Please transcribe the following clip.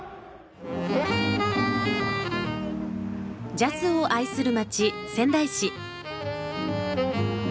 ジャズを愛する街、仙台市。